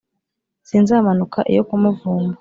sinzamanuka iyo ku muvumba